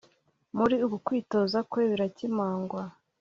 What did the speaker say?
Muri uku kwitoza kwe biracyemangwa